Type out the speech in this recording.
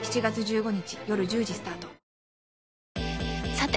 さて！